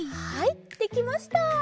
はいできました。